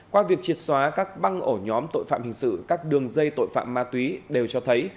qua việc triệt xóa các băng ổ nhóm tội phạm hình sự các đường dây tội phạm ma túy đều cho thấy